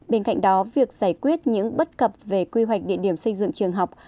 bên cạnh đó việc giải quyết những bất cập về quy hoạch địa điểm xây dựng trường học